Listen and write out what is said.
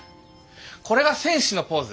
これが戦士のポーズ。